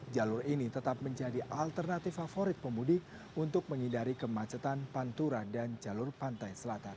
jalur ini tetap menjadi alternatif favorit pemudik untuk menghindari kemacetan pantura dan jalur pantai selatan